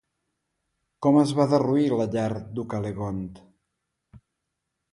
Com es va derruir la llar d'Ucalegont?